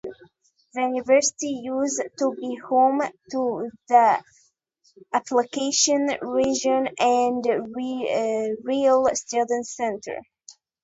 The university used to be home to the Appalachian Regional and Rural Studies Center.